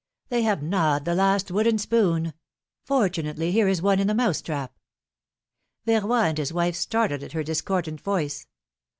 They have gnawed the last wooden spoon ! Fortunately, here is one in the inouse trap.^^ Verroy and his wife started at her discordant voice.